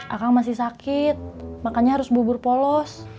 akang masih sakit makannya harus bubur polos